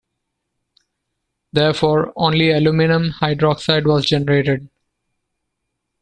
Therefore, only aluminum hydroxide was generated.